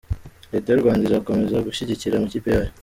Leta y’ u Rwanda izakomeza gushyigikira amakipe yose.